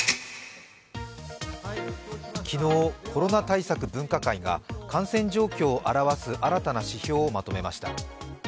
昨日、コロナ対策分科会が感染状況を表す新たな指標をまとめました。